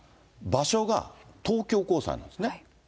場所が東京高裁なんですね。